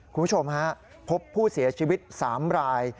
คุณผู้ชมฮะพบผู้เสียชีวิต๓ราย